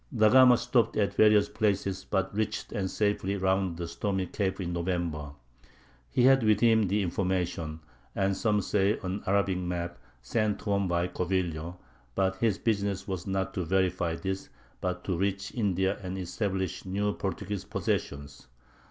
Da Gama stopped at various places, but reached and safely rounded the stormy cape in November. He had with him the information (and some say an Arabic map) sent home by Covilho, but his business was not to verify this, but to reach India and establish new Portuguese possessions.